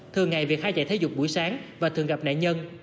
thường ngày việt khai chạy thể dục buổi sáng và thường gặp nạn nhân